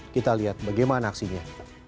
kita lihat bagaimana aksinya